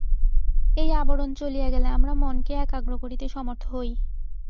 এই আবরণ চলিয়া গেলে আমরা মনকে একাগ্র করিতে সমর্থ হই।